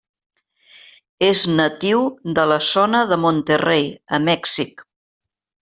És natiu de la zona de Monterrey, a Mèxic.